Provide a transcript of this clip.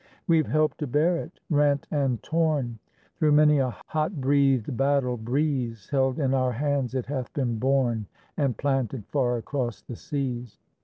We've helped to bear it, rent and torn, Through many a hot breath'd battle breeze Held in our hands, it has been borne And planted far across the seas.